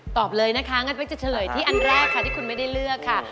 ตอบเลยนะคะงั้นเป๊กจะเฉลยที่อันแรกค่ะที่คุณไม่ได้เลือกค่ะ